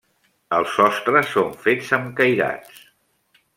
Els sostres són fets amb cairats.